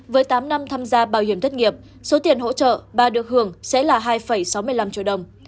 với tám năm tham gia bảo hiểm thất nghiệp số tiền hỗ trợ bà được hưởng sẽ là hai sáu mươi năm triệu đồng